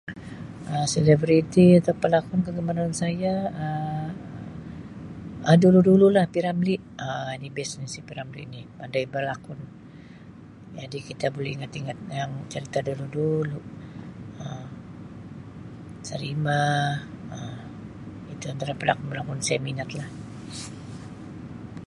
"Um Selebriti atau pelakon kegemaran saya Um dulu-dulu lah P Ramlee Um ini ""best"" ni si P Ramlee ni pandai berlakon jadi kita boleh ingat-ingat yang cerita dulu-dulu Um Sarimah Um itu antara pelakon-pelakon saya minat lah."